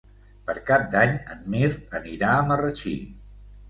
Per Cap d'Any en Mirt anirà a Marratxí.